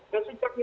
dan sejak itu